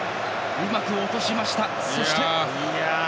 うまく落としました。